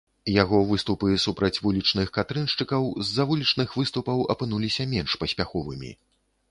Яго выступы супраць вулічных катрыншчыкаў з-за вулічных выступаў апынуліся менш паспяховымі.